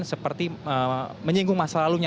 seperti menyinggung masa lalunya